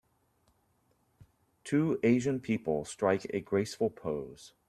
Two Asian people strike a graceful pose.